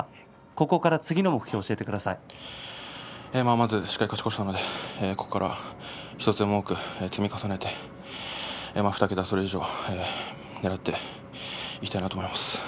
ここから次の目標をまずしっかり勝ち越せたのでここから１つでも多く積み重ねて２桁、それ以上をねらっていきたいなと思います。